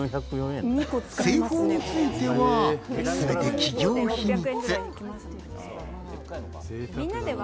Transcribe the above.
製法については全て企業秘密。